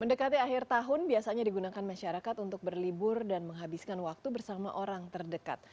mendekati akhir tahun biasanya digunakan masyarakat untuk berlibur dan menghabiskan waktu bersama orang terdekat